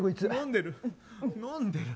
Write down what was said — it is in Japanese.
飲んでる。